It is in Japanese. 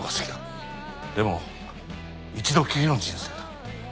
でも一度きりの人生だ。